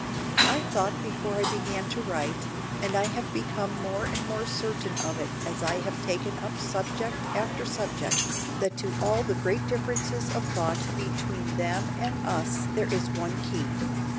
I thought before I began to write, and I have become more and more certain of it as I have taken up subject after subject, that to all the great differences of thought between them and us there is one key.